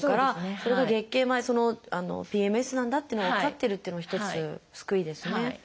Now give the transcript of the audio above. それが月経前ＰＭＳなんだっていうのが分かってるっていうのは一つ救いですね。